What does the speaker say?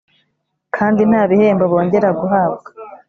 kandi nta bihembo bongera guhabwa